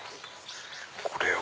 これを。